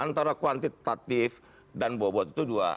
antara kuantitatif dan bobot itu dua